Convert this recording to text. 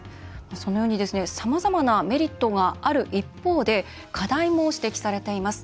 そのようにさまざまなメリットがある一方で課題も指摘されています。